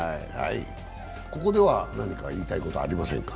ここでは何か言いたいことありませんか？